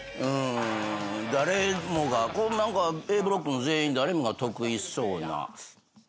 誰もがここ何かＡブロックの全員誰もが得意そうな。